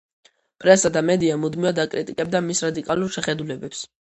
პრესა და მედია მუდმივად აკრიტიკებდა მის რადიკალურ შეხედულებებს.